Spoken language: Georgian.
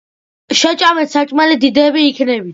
შეჭამეთ საჭმელი დიდები იქნებით.